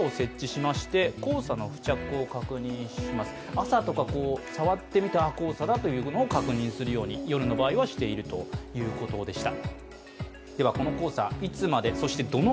朝とか、触ってみたら、ああ黄砂だと確認するように夜の場合はしているということでした。